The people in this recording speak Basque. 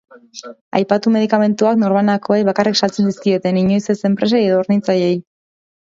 Aipatu medikamentuak norbanakoei bakarrik saltzen zizkieten, inoiz ez enpresei edo hornitzaileei.